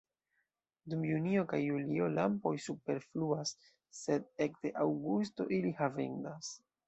Dum junio kaj julio lampoj superfluas, sed ekde aŭgusto ili havendas.